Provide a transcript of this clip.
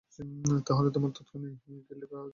তাহলে তোমার তক্ষুণি গিল্ডে ফিরে যাওয়া উচিত ছিলো।